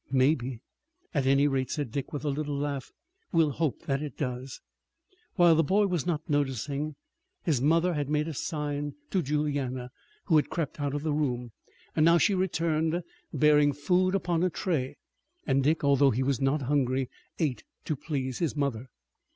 "Maybe." "At any rate," said Dick with a little laugh, "we'll hope that it does." While the boy was not noticing his mother had made a sign to Juliana, who had crept out of the room. Now she returned, bearing food upon a tray, and Dick, although he was not hungry, ate to please his mother.